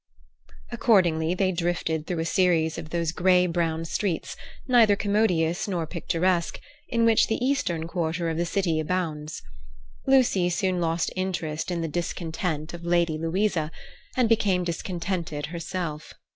Accordingly they drifted through a series of those grey brown streets, neither commodious nor picturesque, in which the eastern quarter of the city abounds. Lucy soon lost interest in the discontent of Lady Louisa, and became discontented herself.